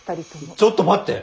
ちょっと待って！